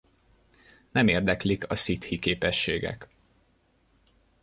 Nem érdeklik a sziddhi-képességek.